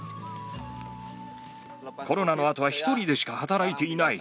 コロナのあとは１人でしか働いていない。